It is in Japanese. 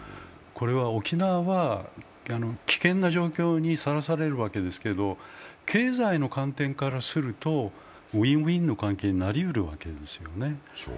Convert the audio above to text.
沖縄は危険な状況にさらされるわけですけど経済の観点からするとＷｉｎ−Ｗｉｎの関係になりうるわけですね。